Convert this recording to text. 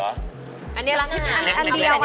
อันนี้ละค่ะ